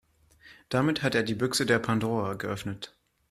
Damit hat er die Büchse der Pandora geöffnet.